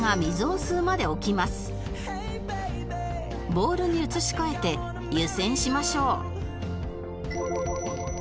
ボウルに移し替えて湯煎しましょう